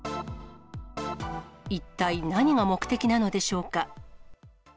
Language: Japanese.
一体何が目的なのでしょうか。